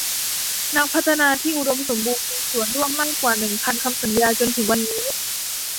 นักพัฒนาที่อุดมสมบูรณ์มีส่วนร่วมมากกว่าหนึ่งพันคำสัญญาจนถึงวันนี้